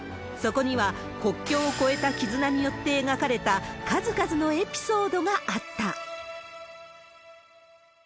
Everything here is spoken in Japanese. そこには、国境を超えた絆によって描かれた数々のエピソードがあった。